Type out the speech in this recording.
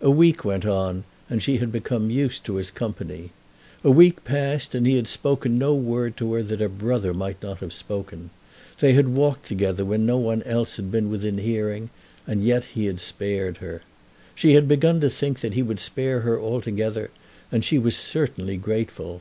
A week went on and she had become used to his company. A week passed and he had spoken no word to her that a brother might not have spoken. They had walked together when no one else had been within hearing, and yet he had spared her. She had begun to think that he would spare her altogether, and she was certainly grateful.